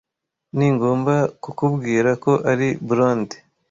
ningomba kukubwira ko ari blonde